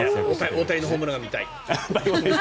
大谷のホームランが見たい。